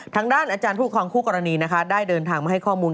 ทางด้านอาจารย์ผู้ปกครองคู่กรณีนะคะได้เดินทางมาให้ข้อมูล